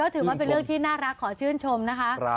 ถือว่าเป็นเรื่องที่น่ารักขอชื่นชมนะคะ